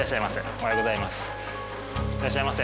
おはようございます。